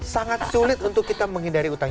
sangat sulit untuk kita menghindari utang